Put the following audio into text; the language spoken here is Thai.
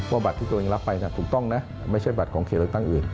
บัตรที่ตัวเองรับไปถูกต้องนะไม่ใช่บัตรของเขตเลือกตั้งอื่น